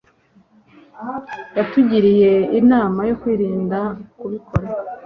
yatugiriye inama yo kwirinda kubikora